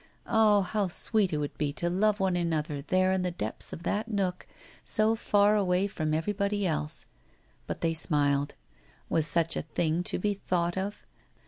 Ah! how sweet it would be to love one another there in the depths of that nook, so far away from everybody else! But they smiled. Was such a thing to be thought of?